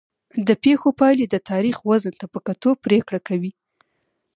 د پېښو پایلې د تاریخ وزن ته په کتو پرېکړه کوي.